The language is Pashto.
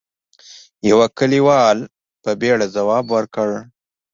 يوه کليوال په بيړه ځواب ورکړ: